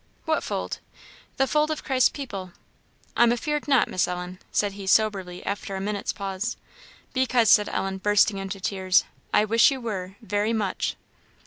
"What fold?" "The fold of Christ's people." "I'm afeard not, Miss Ellen," said he, soberly, after a minute's pause. "Because," said Ellen, bursting into tears, "I wish you were, very much."